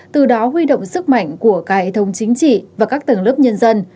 từ đó huy động sức mạnh của cả hệ thống chính trị và các tầng lớp nhân dân